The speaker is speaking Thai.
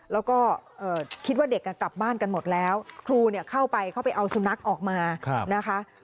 แล้วก็คิดว่าเด็กกลับบ้านกันหมดแล้วครูเข้าไปเข้าไปเอาสุนัขออกมานะคะ